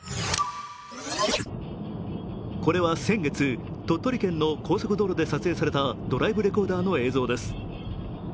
これは先月、鳥取県の高速道路で撮影されたドライブレコーダーの映像です。